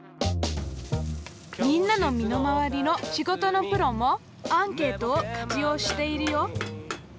みんなの身の回りの仕事のプロもアンケートを活用しているよ。